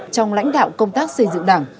trong lãnh đạo công tác xây dựng đảng